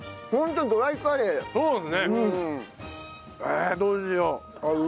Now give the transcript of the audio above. えどうしよう？